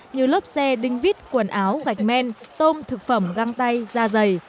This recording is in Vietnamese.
như lớp xe đinh vít quần áo gạch men tôm thực phẩm găng tay da dày